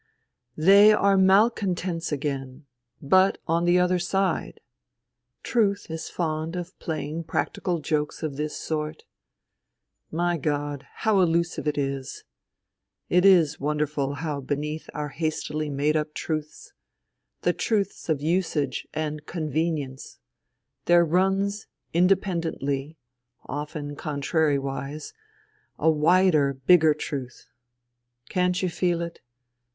" They are malcontents again — but on the other side ! Truth is fond of playing practical jokes of this sort. My God ! how elusive it is. It is won derful how beneath our hastily made up truths, the truths of usage and convenience, there runs independently, often contrariwise, a wider, bigger truth. Can't you feel it